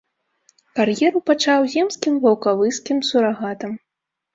Кар'еру пачаў земскім ваўкавыскім сурагатам.